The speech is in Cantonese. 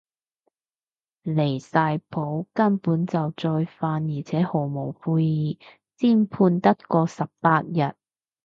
離晒譜，根本就再犯而且毫無悔意，先判得嗰十八日